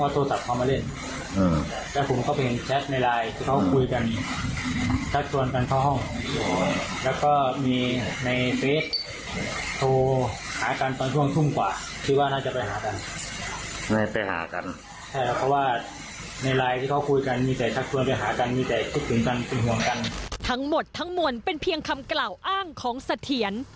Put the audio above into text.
ทั้งหมดทั้งหมดเป็นเพียงคำกล่าวอ้างของเสถียร